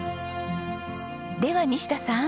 では西田さん